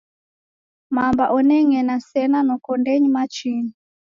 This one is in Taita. Mamba oneng'ena sena noko ndenyi machinyi.